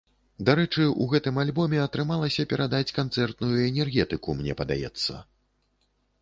Дарэчы, у гэтым альбоме атрымалася перадаць канцэртную энергетыку, мне падаецца.